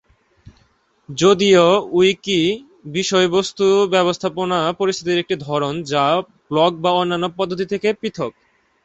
যদিও উইকি বিষয়বস্তু ব্যবস্থাপনা পদ্ধতির একটি ধরন, যা ব্লগ বা অন্যান্য পদ্ধতি থেকে পৃথক।